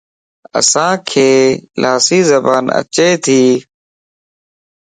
اسانک لاسي زبان اچي تي